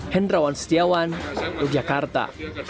hendrawan setiawan yogyakarta